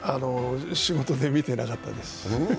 仕事で見てなかったです。